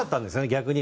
逆に。